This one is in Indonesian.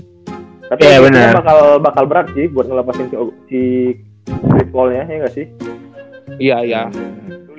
tapi bakal berat sih buat ngelepasin si chris paul nya ya ga sih